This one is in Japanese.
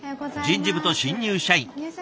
人事部と新入社員。